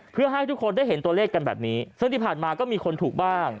เพื่อให้ทุกคนได้เห็นตัวเลขกันแบบนี้ซึ่งที่ผ่านมาก็มีคนถูกบ้าง